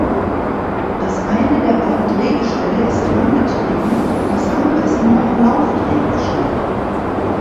Das eine der beiden Drehgestelle ist angetrieben, das andere ist nur ein Laufdrehgestell.